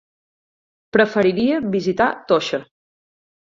Preferiria visitar Toixa.